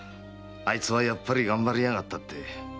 あいつはやっぱりがんばりやがったって